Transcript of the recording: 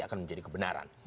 akan menjadi kebenaran